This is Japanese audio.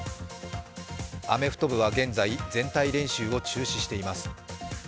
アメフト部は現在、全体練習を中止しています。